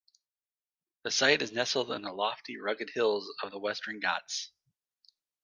The site is nestled in the lofty rugged hills of the Western Ghats.